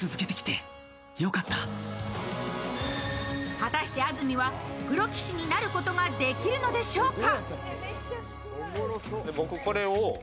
果たして、安住はプロ棋士になることができるのでしょうか？